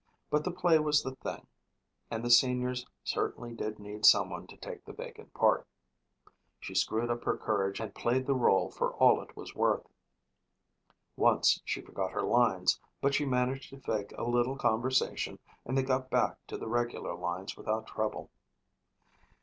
But the play was the thing and the seniors certainly did need someone to take the vacant part. She screwed up her courage and played the rôle for all it was worth. Once she forgot her lines but she managed to fake a little conversation and they got back to the regular lines without trouble.